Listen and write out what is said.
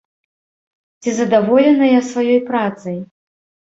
Ці задаволеныя сваёй працай?